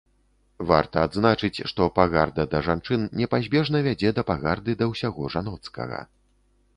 Варта адзначыць, што пагарда да жанчын непазбежна вядзе да пагарды да ўсяго жаноцкага.